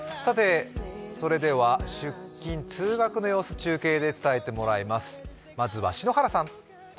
出勤・通学の様子、中継で伝えてもらいます。